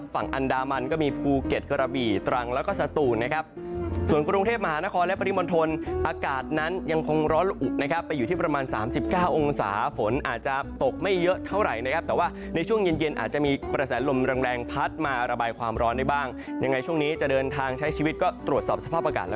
ฝั่งอันดามันก็มีภูเก็ตกระบี่ตรังแล้วก็สตูนนะครับส่วนกรุงเทพมหานครและปริมณฑลอากาศนั้นยังคงร้อนละอุนะครับไปอยู่ที่ประมาณสามสิบเก้าองศาฝนอาจจะตกไม่เยอะเท่าไหร่นะครับแต่ว่าในช่วงเย็นเย็นอาจจะมีกระแสลมแรงแรงพัดมาระบายความร้อนได้บ้างยังไงช่วงนี้จะเดินทางใช้ชีวิตก็ตรวจสอบสภาพอากาศ